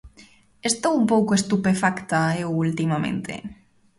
Estou un pouco estupefacta eu ultimamente.